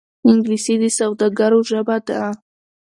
انګلیسي د سوداګرو ژبه ده